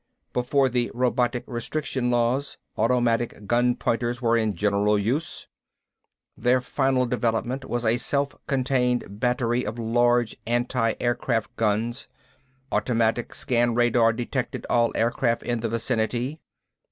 Before the Robotic Restriction Laws automatic gun pointers were in general use. Their final development was a self contained battery of large anti aircraft guns. Automatic scan radar detected all aircraft in the vicinity.